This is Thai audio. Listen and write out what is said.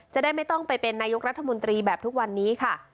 จะได้ไม่ต้องไปเป็นนายกรัฐมนตรีแบบทุกวันนี้ค่ะ